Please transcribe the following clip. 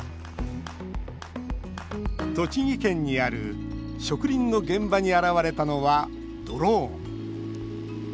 栃木県にある植林の現場に現れたのはドローン。